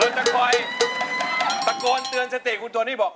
จะคอยตะโกนเตือนสติคุณโทนี่บอก